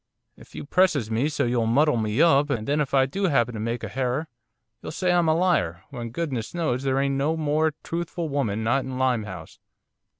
'If you presses me so you'll muddle of me up, and then if I do 'appen to make a herror, you'll say I'm a liar, when goodness knows there ain't no more truthful woman not in Limehouse.